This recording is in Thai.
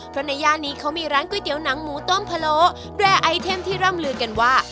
เพราะในย่านนี้เขามีร้านก๋วยเตี๋ยวหนังหมูต้มพะโลแรร์ไอเทมที่ร่ำลือกันว่า